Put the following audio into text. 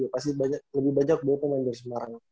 pasti lebih banyak dua pemain dari semarang